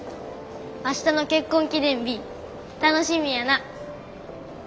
明日の結婚記念日楽しみやな。